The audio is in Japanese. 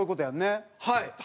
はい。